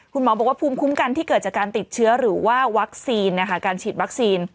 คุณหมอบอกว่าภูมิคุ้มกันที่เกิดจากการติดเชื้อหรือว่าวัคซีนนะคะการฉีดวัคซีน